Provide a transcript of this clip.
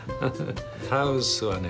ハウスはね